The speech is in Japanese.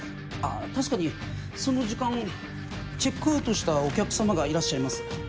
確かにその時間チェックアウトしたお客様がいらっしゃいます。